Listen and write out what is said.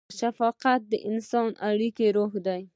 شفقت د انساني اړیکو روح دی.